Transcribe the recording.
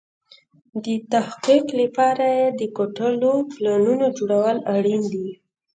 د تحقق لپاره يې د کوټلو پلانونو جوړول اړين دي.